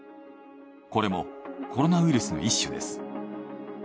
これもコロナウイルスの一種です。